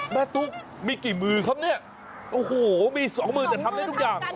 ตุ๊กมีกี่มือครับเนี่ยโอ้โหมีสองมือแต่ทำได้ทุกอย่าง